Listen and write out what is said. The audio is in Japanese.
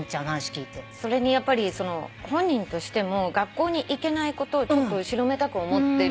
それにやっぱり本人としても学校に行けないことを後ろめたく思ってるから。